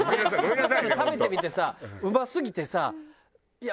１皿食べてみてさうますぎてさいや